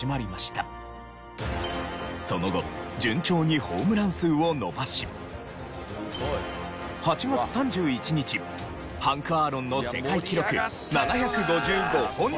その後順調にホームラン数を伸ばし８月３１日ハンク・アーロンの世界記録７５５本に到達。